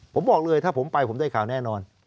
ผมบอกเลยถ้าผมไปผมได้ข่าวแน่นอน